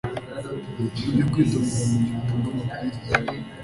Ibyo Kwitondera mu Gihe Utanga Amabwiriza